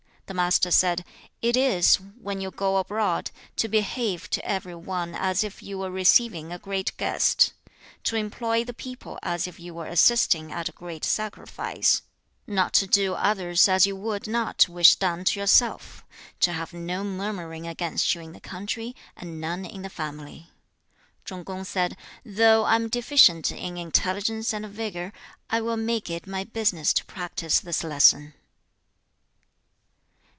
The Master said, 'It is, when you go abroad, to behave to every one as if you were receiving a great guest; to employ the people as if you were assisting at a great sacrifice; not to do to others as you would not wish done to yourself; to have no murmuring against you in the country, and none in the family.' Chung kung said, 'Though I am deficient in intelligence and vigour, I will make it my business to practise this lesson.'